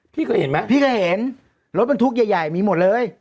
พี่เคยเห็นไหมพี่เคยเห็นรถบรรทุกใหญ่มีหมดเลย